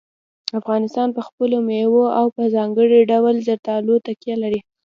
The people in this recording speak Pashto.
افغانستان په خپلو مېوو او په ځانګړي ډول زردالو تکیه لري.